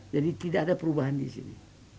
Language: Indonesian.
jadi tidak ada perubahan di sini